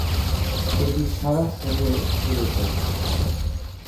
এটি সারা শহরে ছড়িয়ে পড়ে।